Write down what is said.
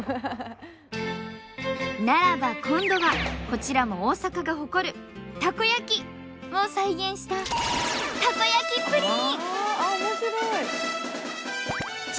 ならば今度はこちらも大阪が誇るたこ焼き！を再現したたこ焼きプリン！